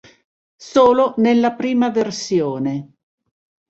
Solo nella prima versione.